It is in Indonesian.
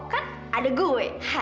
kan ada gue